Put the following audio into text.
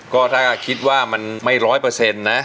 ก็ถ้าคิดว่ามันไม่ร้อยเปอร์เซ็นต์นะ